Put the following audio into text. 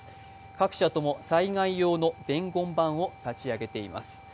各社とも災害用の伝言板を立ち上げています。